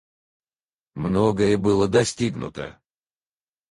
Многое было достигнуто.